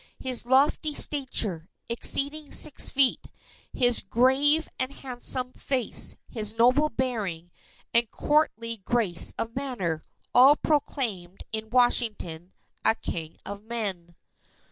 His lofty stature exceeding six feet his grave and handsome face, his noble bearing, and courtly grace of manner, all proclaimed in Washington a king of men.